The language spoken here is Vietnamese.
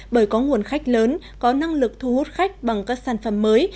bởi có nguồn khách lớn có năng lực thu hút khách bằng các sản phẩm mới